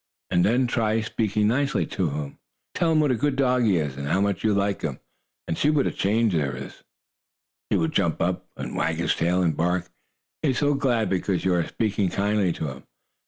And then try speaking nicely. Tell him what a good dog he is, and how much you like him, and see what a change there is. He will jump up, and wag his tail, and bark, he is so glad because you are speaking kindly to him.